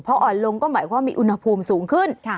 พออ่อนลงก็หมายความมีอุณหภูมิสูงขึ้น